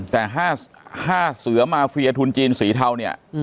แต่๕เสือมาเฟียทุนจีนสีเทาเนี่ย